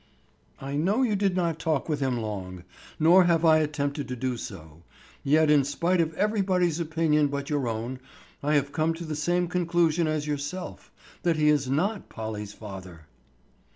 "I know you did not talk with him long. Nor have I attempted to do so, yet in spite of everybody's opinion but your own I have come to the same conclusion as yourself, that he is not Polly's father."